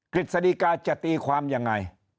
ฤษฎิกาจะตีความยังไง